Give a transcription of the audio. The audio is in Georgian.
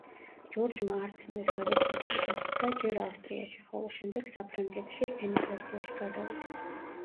ჯორჯმა არ ცნო ეს გადაწყვეტილება და ჯერ ავსტრიაში, ხოლო შემდეგ საფრანგეთში ემიგრაციაში გადავიდა.